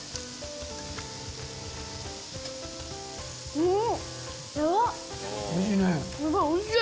うん！